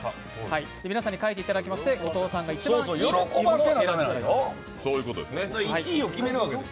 皆さんに書いていただきまして後藤さんが一番いいと思うものを選んでいただきます。